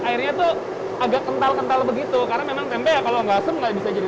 airnya tuh agak kental kental begitu karena memang tempe ya kalau nggak asem nggak bisa jadi